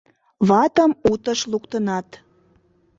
Ватым утыш луктынат.